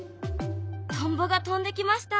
トンボが飛んできました。